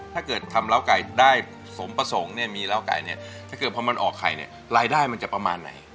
ถ้าเกิดทำเล่าไก่ได้สมประสงค์มีเล่าไก่นี้ถ้าเกิดพอมันออกไข่รายได้มันจะประมาณไหน